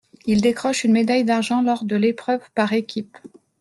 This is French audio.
Il décroche une médaille d'argent lors de l'épreuve par équipes.